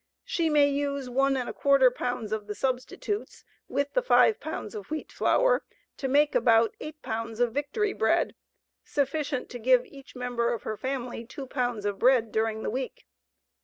She may use 1¼ pounds of the substitutes with the 5 pounds of wheat flour to make about 8 pounds of Victory bread sufficient to give each member of her family 2 pounds of bread during the week.